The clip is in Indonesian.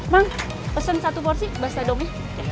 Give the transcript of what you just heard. bang pesen satu porsi baso tahu ini